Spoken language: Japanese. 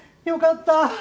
よかった！